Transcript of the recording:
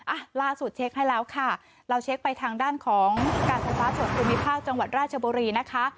อ่ะล่าสุดเช็คให้แล้วค่ะเราเช็คไปทางด้านของการไฟฟ้าส่วนภูมิภาคจังหวัดราชบุรีนะคะ